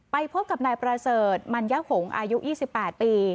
ไปพบกับนายประเสริฐมัญหงษ์อายุ๒๘ปี